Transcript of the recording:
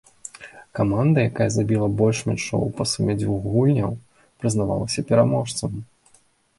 Каманда, якая забіла больш мячоў па суме дзвюх гульняў, прызнавалася пераможцам.